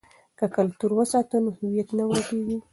که کلتور وساتو نو هویت نه ورکيږي.